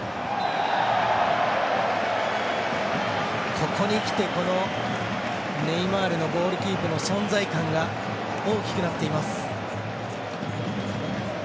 ここにきてネイマールのボールキープの存在感が大きくなっています。